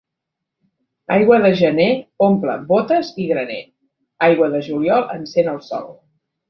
Aigua de gener omple bótes i graner, aigua de juliol encén el sol.